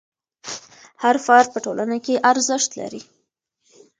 هر فرد په ټولنه کې ارزښت لري.